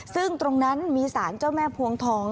ซึ่งตรงนั้นมีสารเจ้าแม่พวงทอง